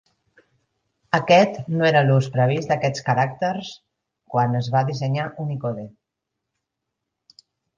Aquest no era l'ús previst d'aquests caràcters quan es va dissenyar Unicode.